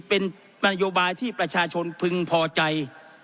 เป็นนโยบายที่ประชาชนพึงพอใจ